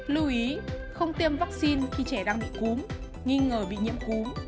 lưu ý không tiêm vaccine khi trẻ đang bị cúm nghi ngờ bị nhiễm cúm